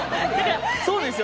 そうですよ。